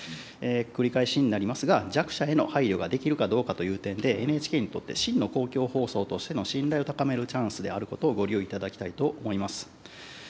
繰り返しになりますが、弱者への配慮ができるかどうかという点でＮＨＫにとって、真の公共放送としての信頼を高めるチャンスであることをご留意いただきたいと思います。